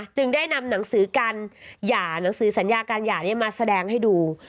จึงได้นำหนังสือการหย่าหนังสือสัญญาการหย่ามาแสดงให้ดู